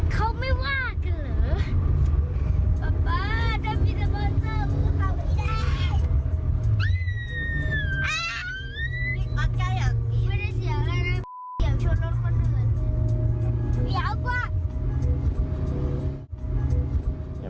ไม่ได้เสียวอะไรไม่ได้เสียวชนรถคนอื่น